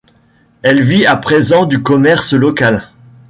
Elle vit à présent du commerce local.